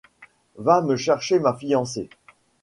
Va me chercher ma fiancée!